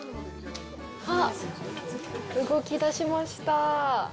あっ、動き出しました。